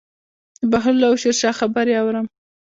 د بهلول او شیرشاه خبرې اورم.